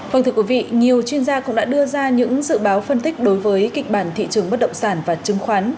vâng thưa quý vị nhiều chuyên gia cũng đã đưa ra những dự báo phân tích đối với kịch bản thị trường bất động sản và chứng khoán